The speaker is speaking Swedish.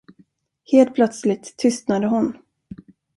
Helt plötsligt tystnade hon.